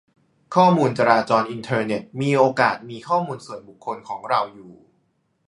ข้อมูลจราจรอินเทอร์เน็ตมีโอกาสมีข้อมูลส่วนบุคคลของเราอยู่